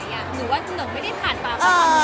หนูว่าหนูไม่ได้ผ่านตาข้อความดี